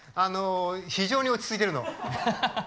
非常に落ち着いてるの。